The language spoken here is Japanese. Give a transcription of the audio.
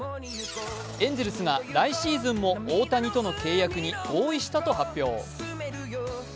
エンゼルスが来シーズンも大谷との契約に合意したと発表。